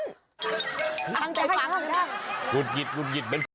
ทั้งใจฟังครับ